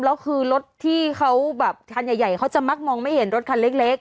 แล้วคือรถที่เขาแบบคันใหญ่เขาจะมักมองไม่เห็นรถคันเล็ก